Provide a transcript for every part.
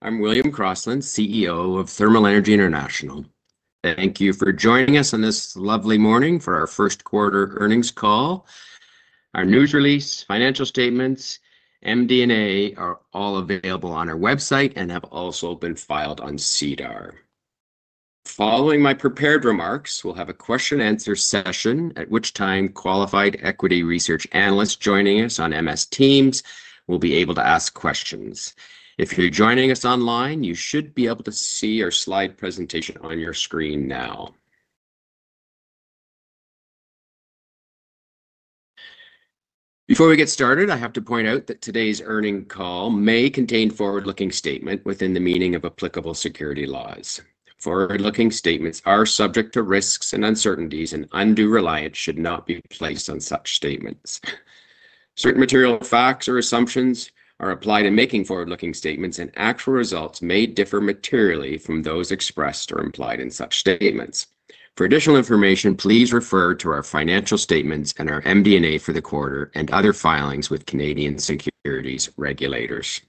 I'm William Crossland, CEO of Thermal Energy International. Thank you for joining us on this lovely morning for our first quarter earnings call. Our news release, financial statements, and MD&A are all available on our website and have also been filed on SEDAR. Following my prepared remarks, we'll have a question and answer session, at which time qualified equity research analysts joining us on MS Teams will be able to ask questions. If you're joining us online, you should be able to see our slide presentation on your screen now. Before we get started, I have to point out that today's earnings call may contain forward-looking statements within the meaning of applicable securities laws. Forward-looking statements are subject to risks and uncertainties, and undue reliance should not be placed on such statements. Certain material facts or assumptions are applied in making forward-looking statements, and actual results may differ materially from those expressed or implied in such statements. For additional information, please refer to our financial statements and our MD&A for the quarter and other filings with Canadian securities regulators.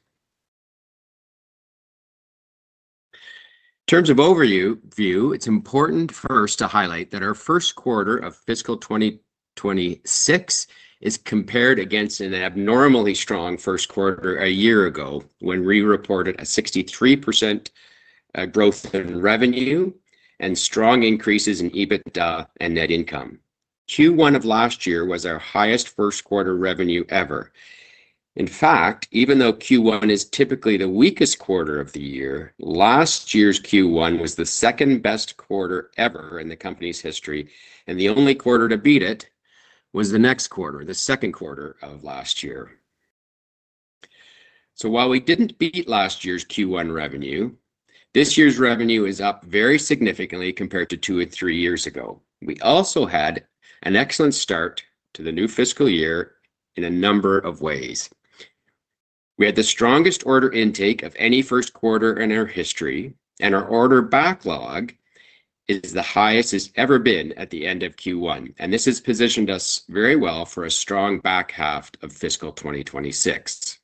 In terms of overview, it's important first to highlight that our first quarter of fiscal 2026 is compared against an abnormally strong first quarter a year ago when we reported a 63% growth in revenue and strong increases in EBITDA and net income. Q1 of last year was our highest first quarter revenue ever. In fact, even though Q1 is typically the weakest quarter of the year, last year's Q1 was the second-best quarter ever in the company's history. The only quarter to beat it was the next quarter, the second quarter of last year. While we didn't beat last year's Q1 revenue, this year's revenue is up very significantly compared to two and three years ago. We also had an excellent start to the new fiscal year in a number of ways. We had the strongest order intake of any first quarter in our history, and our order backlog is the highest it's ever been at the end of Q1. This has positioned us very well for a strong back half of fiscal 2026.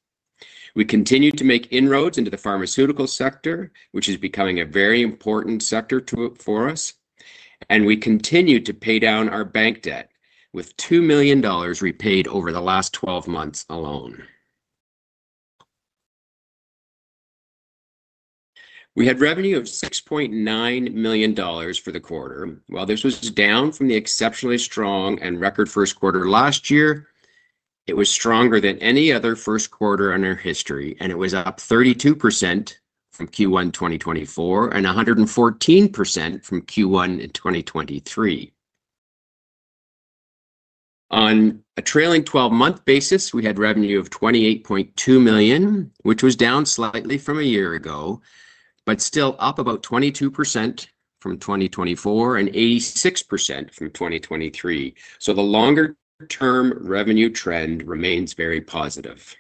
We continue to make inroads into the pharmaceutical sector, which is becoming a very important sector for us, and we continue to pay down our bank debt with $2 million repaid over the last 12 months alone. We had revenue of $6.9 million for the quarter. While this was down from the exceptionally strong and record first quarter last year, it was stronger than any other first quarter in our history, and it was up 32% from Q1 2024 and 114% from Q1 in 2023. On a trailing 12-month basis, we had revenue of $28.2 million, which was down slightly from a year ago, but still up about 22% from 2024 and 86% from 2023. The longer-term revenue trend remains very positive.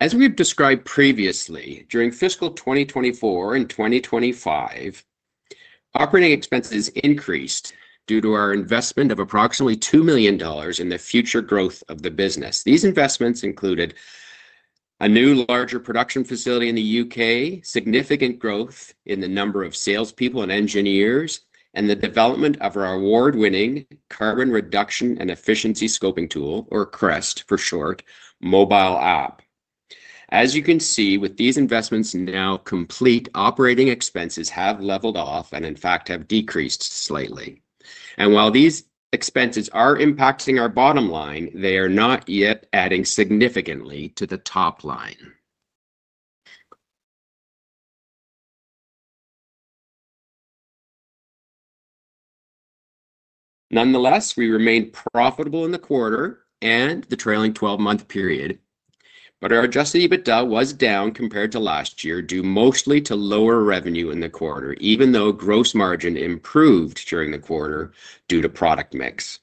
As we have described previously, during fiscal 2024 and 2025, operating expenses increased due to our investment of approximately $2 million in the future growth of the business. These investments included a new larger production facility in the UK, significant growth in the number of salespeople and engineers, and the development of our award-winning carbon reduction and efficiency scoping tool, or CREST for short, mobile app. As you can see, with these investments now complete, operating expenses have leveled off and, in fact, have decreased slightly. While these expenses are impacting our bottom line, they are not yet adding significantly to the top line. Nonetheless, we remained profitable in the quarter and the trailing 12-month period, but our adjusted EBITDA was down compared to last year, due mostly to lower revenue in the quarter, even though gross margin improved during the quarter due to product mix.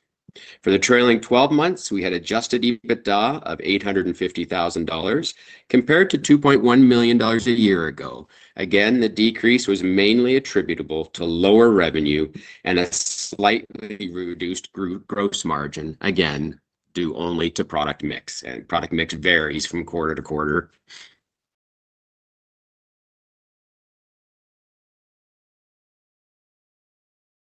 For the trailing 12 months, we had adjusted EBITDA of $850,000 compared to $2.1 million a year ago. The decrease was mainly attributable to lower revenue and a slightly reduced gross margin, again, due only to product mix, and product mix varies from quarter to quarter.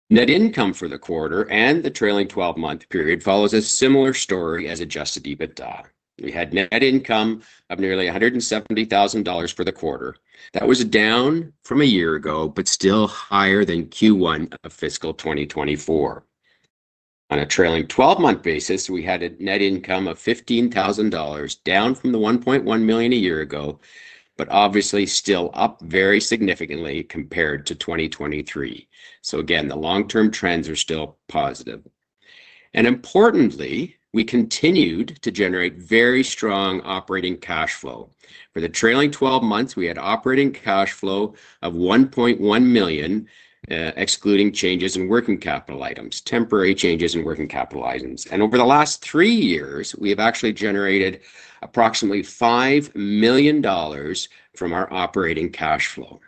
Net income for the quarter and the trailing 12-month period follows a similar story as adjusted EBITDA. We had net income of nearly $170,000 for the quarter. That was down from a year ago, but still higher than Q1 of fiscal 2024. On a trailing 12-month basis, we had a net income of $15,000, down from the $1.1 million a year ago, but obviously still up very significantly compared to 2023. The long-term trends are still positive. Importantly, we continued to generate very strong operating cash flow. For the trailing 12 months, we had operating cash flow of $1.1 million, excluding changes in working capital items, temporary changes in working capital items. Over the last three years, we have actually generated approximately $5 million from our operating cash flow.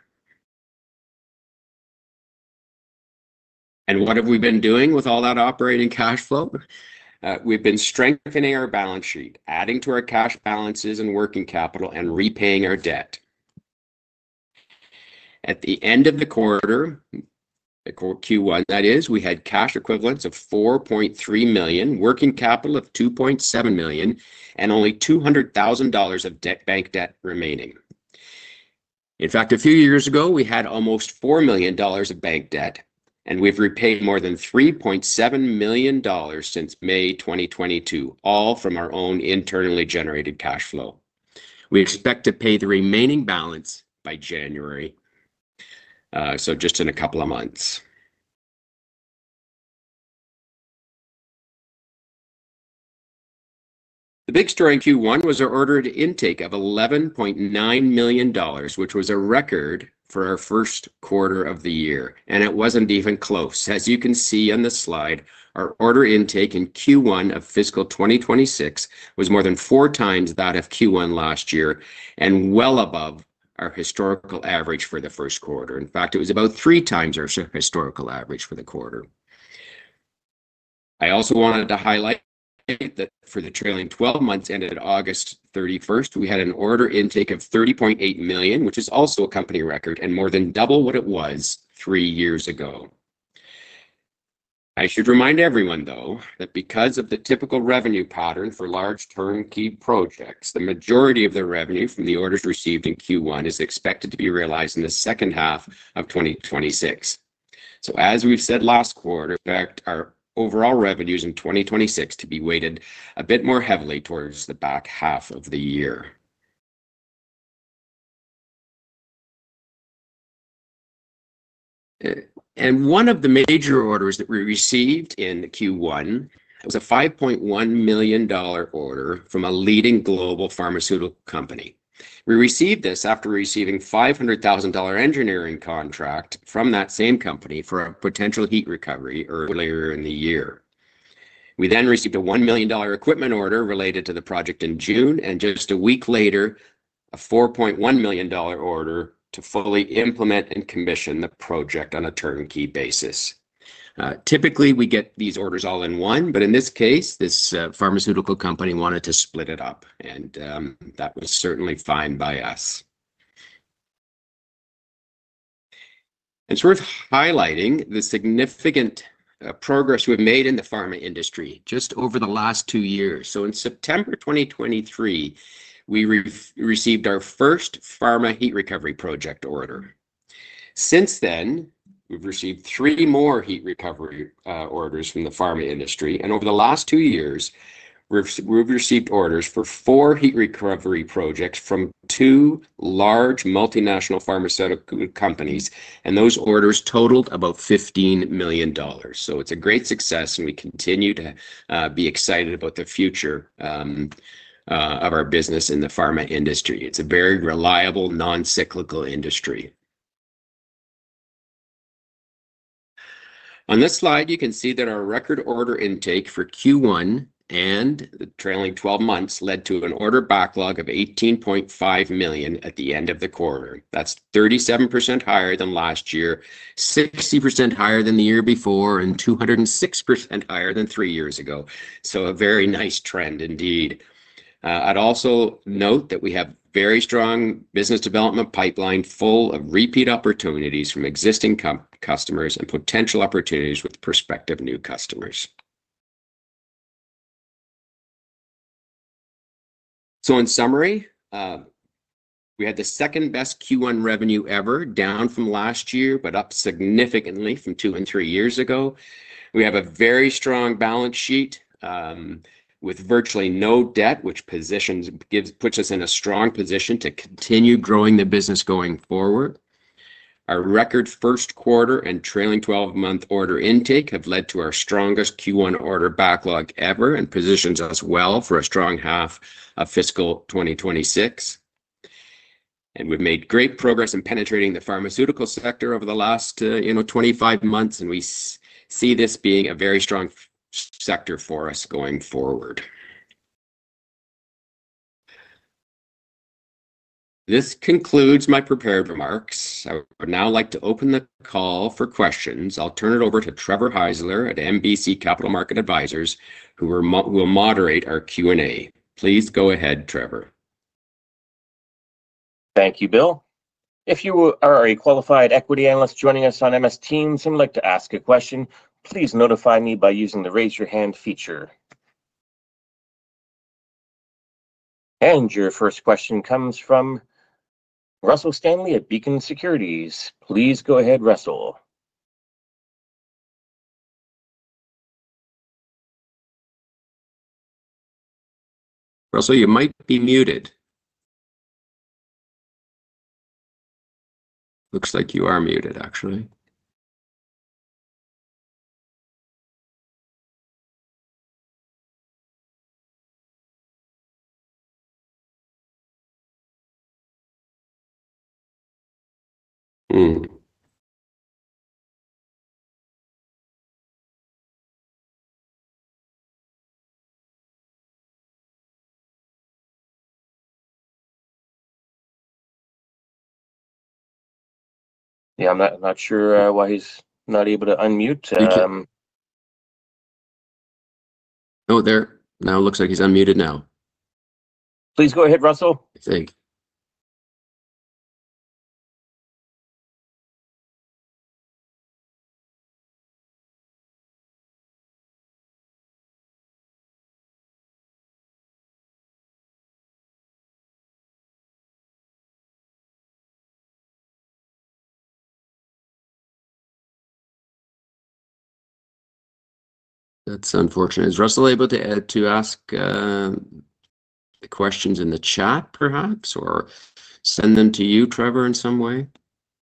What have we been doing with all that operating cash flow? We've been strengthening our balance sheet, adding to our cash balances and working capital, and repaying our debt. At the end of the quarter, Q1, that is, we had cash equivalents of $4.3 million, working capital of $2.7 million, and only $200,000 of bank debt remaining. In fact, a few years ago, we had almost $4 million of bank debt, and we've repaid more than $3.7 million since May 2022, all from our own internally generated cash flow. We expect to pay the remaining balance by January, just in a couple of months. The big story in Q1 was our order intake of $11.9 million, which was a record for our first quarter of the year, and it wasn't even close. As you can see on the slide, our order intake in Q1 of fiscal 2026 was more than four times that of Q1 last year and well above our historical average for the first quarter. It was about three times our historical average for the quarter. I also wanted to highlight that for the trailing 12 months ended August 31, we had an order intake of $30.8 million, which is also a company record and more than double what it was three years ago. I should remind everyone, though, that because of the typical revenue pattern for large turnkey projects, the majority of the revenue from the orders received in Q1 is expected to be realized in the second half of 2026. As we've said last quarter, our overall revenues in 2026 are expected to be weighted a bit more heavily towards the back half of the year. One of the major orders that we received in Q1 was a $5.1 million order from a leading global pharmaceutical company. We received this after receiving a $500,000 engineering contract from that same company for a potential heat recovery earlier in the year. We then received a $1 million equipment order related to the project in June, and just a week later, a $4.1 million order to fully implement and commission the project on a turnkey basis. Typically, we get these orders all in one, but in this case, this pharmaceutical company wanted to split it up, and that was certainly fine by us. This highlights the significant progress we've made in the pharmaceutical sector just over the last two years. In September 2023, we received our first pharmaceutical heat recovery project order. Since then, we've received three more heat recovery orders from the pharmaceutical sector. Over the last two years, we've received orders for four heat recovery projects from two large multinational pharmaceutical companies, and those orders totaled about $15 million. It's a great success, and we continue to be excited about the future of our business in the pharma industry. It's a very reliable, non-cyclical industry. On this slide, you can see that our record order intake for Q1 and the trailing 12 months led to an order backlog of $18.5 million at the end of the quarter. That's 37% higher than last year, 60% higher than the year before, and 206% higher than three years ago. A very nice trend indeed. I'd also note that we have a very strong business development pipeline full of repeat opportunities from existing customers and potential opportunities with prospective new customers. In summary, we had the second-best Q1 revenue ever, down from last year, but up significantly from two and three years ago. We have a very strong balance sheet with virtually no debt, which puts us in a strong position to continue growing the business going forward. Our record first quarter and trailing 12-month order intake have led to our strongest Q1 order backlog ever and positions us well for a strong half of fiscal 2026. We've made great progress in penetrating the pharmaceutical sector over the last 25 months, and we see this being a very strong sector for us going forward. This concludes my prepared remarks. I would now like to open the call for questions. I'll turn it over to Trevor Heisler at NBC Capital Market Advisors, who will moderate our Q&A. Please go ahead, Trevor. Thank you, Bill. If you are a qualified equity analyst joining us on MS Teams and would like to ask a question, please notify me by using the raise your hand feature. Your first question comes from Russell Stanley at Beacon Securities. Please go ahead, Russell. Russell, you might be muted. Looks like you are muted, actually. I'm not sure why he's not able to unmute. Oh, there. Now it looks like he's unmuted now. Please go ahead, Russell. I think. That's unfortunate. Is Russell able to ask the questions in the chat, perhaps, or send them to you, Trevor, in some way?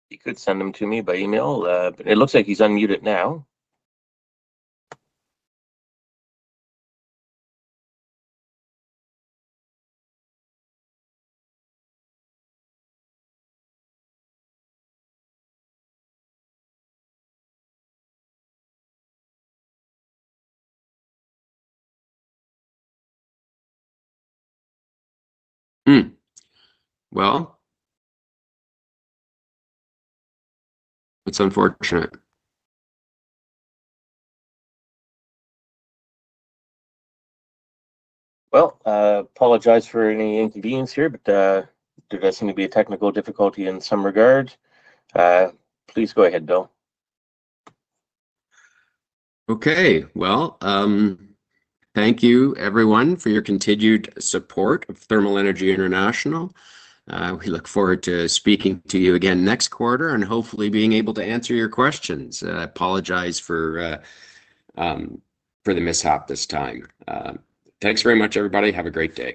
He could send them to me by email. It looks like he's unmuted now. That's unfortunate. I apologize for any inconvenience here, but there does seem to be a technical difficulty in some regards. Please go ahead, Bill. Thank you, everyone, for your continued support of Thermal Energy International. We look forward to speaking to you again next quarter and hopefully being able to answer your questions. I apologize for the mishap this time. Thanks very much, everybody. Have a great day.